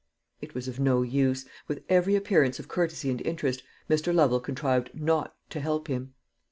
It was of no use; with every appearance of courtesy and interest Mr. Lovel contrived not to help him.